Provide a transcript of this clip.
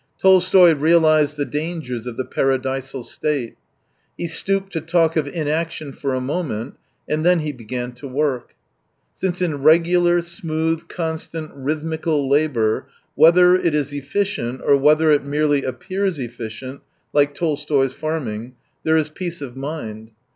Tolstoy realised the dangers of the paradisal state. He stooped to talk of inaction for a moment — and then he began to work. Since in regular, smooth^ con stant, rhythmical labour, whether it is efEcient or whether it merely appears efficient, like Tolstoy's farming, there is peace of mind.